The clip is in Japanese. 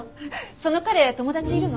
その彼友達いるの？